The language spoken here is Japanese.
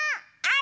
あ！